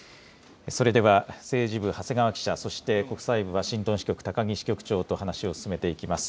それでは政治部、長谷川記者、そして国際部ワシントン支局、高木支局長と話を進めていきます。